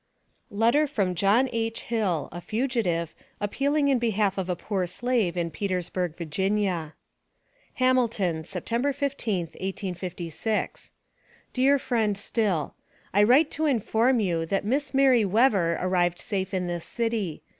LETTER FROM JOHN H. HILL, A FUGITIVE, APPEALING IN BEHALF OF A POOR SLAVE IN PETERSBURG, VA. HAMILTON, Sept. 15th, 1856. DEAR FRIEND STILL: I write to inform you that Miss Mary Wever arrived safe in this city.